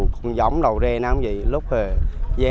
cũng giống đầu rê nào cũng vậy lúc hồi vé hai triệu lúc còn triệu hai